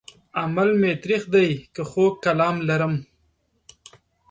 عمل مې تريخ دی که خوږ کلام لرم